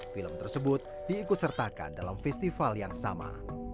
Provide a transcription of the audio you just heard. film tersebut diikusertakan dalam festival yang sama